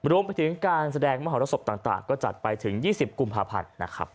รวมถึงการแสดงมหาวรสกจัดไปถึง๒๐กุมภาพันธ์